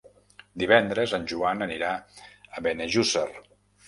Divendres en Joan anirà a Benejússer.